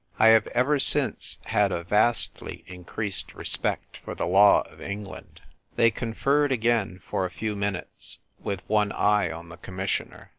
I have ever since had a vastly increased respect for the law of England. They conferred again for a few minutes, with one e3'e on the Commissioner.